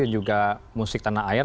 dan juga musik tanah air